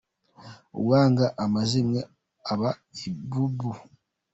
Uwanga amazimwe aba ibubu.